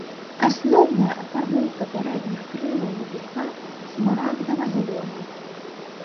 Асноўная афарбоўка пярэдніх крылаў матылька смарагдава-зялёная.